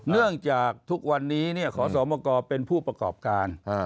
เนื่องจากทุกวันนี้ขอสมกเป็นผู้ประกอบการ